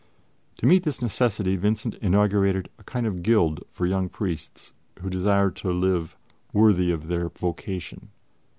To meet this necessity Vincent inaugurated a kind of guild for young priests who desire to live worthy of their vocation.